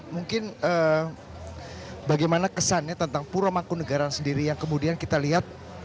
mungkin bagaimana kesannya tentang pura mangkunegaran sendiri yang kemudian kita lihat